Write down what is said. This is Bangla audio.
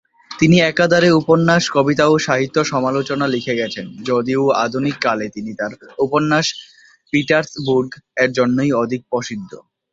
তিনি একাধারে উপন্যাস, কবিতা ও সাহিত্য সমালোচনা লিখে গেছেন, যদিও আধুনিক কালে তিনি তার উপন্যাস "পিটার্সবুর্গ"-এর জন্যই অধিক প্রসিদ্ধ।